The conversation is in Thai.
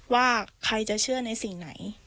ว่าใครจะเชื่อในสิ่งไหน